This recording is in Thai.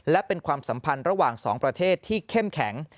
และเป็นความสัมพันธ์ระหว่างสองประเทศที่เข้มแข็ง